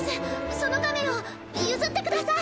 その亀を譲ってください。